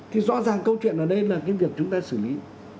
thì rõ ràng câu chuyện ở đây là cái việc chúng ta xử lý